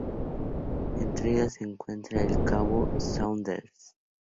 Entre ellas se encuentra el cabo Saunders.